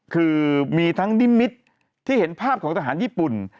คือมีทั้งนิมิตรที่เห็นภาพของทหารญี่ปุ่น